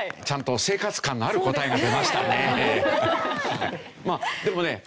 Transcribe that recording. ちゃんと生活感のある答えが出ましたね。